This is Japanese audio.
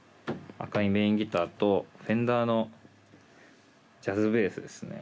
赤いメインギターとフェンダーのジャズベースですね。